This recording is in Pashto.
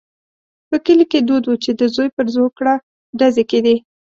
په کلي کې دود وو چې د زوی پر زوکړه ډزې کېدې.